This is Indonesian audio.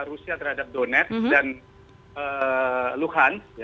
rusia terhadap donetsk dan luhansk